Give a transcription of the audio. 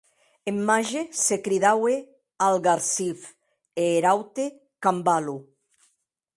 Eth màger se cridaue Algarsif, e er aute, Cambalo.